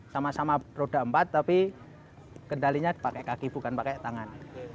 sama sama roda empat tapi kendalinya pakai kaki bukan pakai tangan